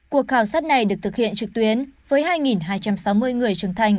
cuộc khảo sát này được thực hiện trực tuyến với hai hai trăm sáu mươi người trưởng thành